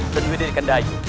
dan di widung kendai